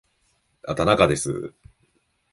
田中です